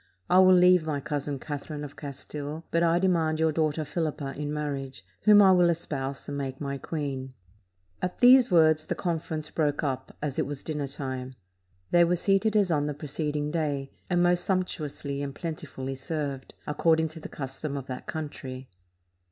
I will leave my cousin Catherine of Castile; but I demand your daughter Philippa in marriage, whom I will espouse and make my queen." At these words the conference broke up, as it was dinner time. They were seated as on the preceding day, and most sumptuously and plentifully served, according to the custom of that country.